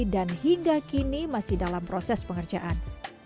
dan hingga kini masih dalam proses pengerjaan